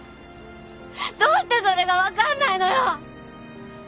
どうしてそれが分かんないのよ！